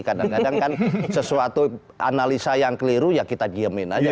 kadang kadang kan sesuatu analisa yang keliru ya kita diemin aja